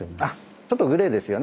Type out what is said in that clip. ちょっとグレーですよね